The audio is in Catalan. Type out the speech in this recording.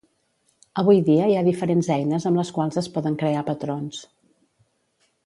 Avui dia hi ha diferents eines amb les quals es poden crear patrons.